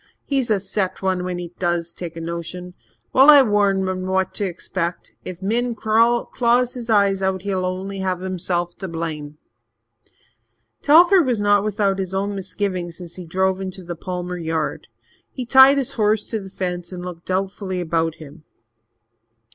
"He's a set one when he does take a notion. Well, I warned him what to expect. If Min claws his eyes out, he'll only have himself to blame." Telford was not without his own misgivings as he drove into the Palmer yard. He tied his horse to the fence and looked doubtfully about him.